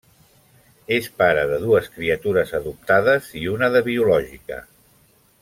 És pare de dues criatures adoptades i una de biològica.